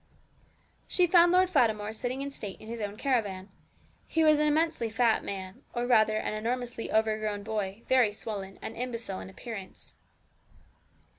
She found Lord Fatimore sitting in state in his own caravan. He was an immensely fat man, or rather an enormously overgrown boy, very swollen, and imbecile in appearance.